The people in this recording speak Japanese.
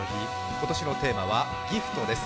今年のテーマは「ＧＩＦＴギフト」です